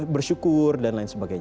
bersyukur dan lain sebagainya